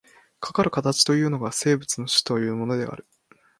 かかる形というのが、生物の種というものである。